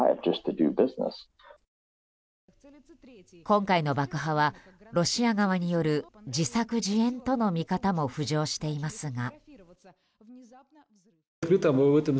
今回の爆破はロシア側による自作自演との見方も浮上していますが。